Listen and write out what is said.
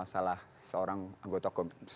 bukan salah seorang anggota komunitas